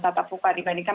tata puka dibandingkan